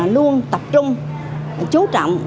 luôn tập trung chú trọng